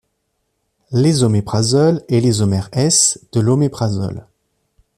L’ésoméprazole est l’isomère-S de l’oméprazole.